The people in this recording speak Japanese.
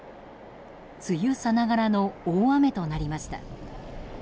梅雨さながらの大雨となりました。